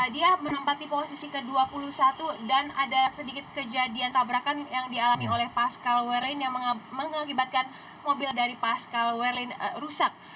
dia menempati posisi ke dua puluh satu dan ada sedikit kejadian tabrakan yang dialami oleh pascal werin yang mengakibatkan mobil dari pascal werlin rusak